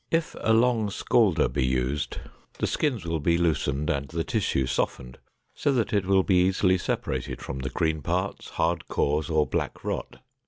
If a long scalder be used, the skins will be loosened and the tissue softened so that it will be easily separated from the green parts, hard cores, or black rot.